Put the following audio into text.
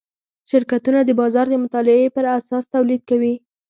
شرکتونه د بازار د مطالعې پراساس تولید کوي.